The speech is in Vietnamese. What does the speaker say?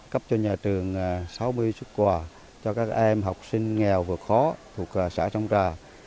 cấp cho nhà trường sáu mươi xuất quà cho các em học sinh nghèo vượt khó thuộc xã sông trà